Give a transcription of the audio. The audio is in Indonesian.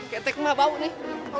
ketek mah bau nih